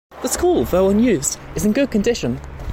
The school, though unused, is in good condition.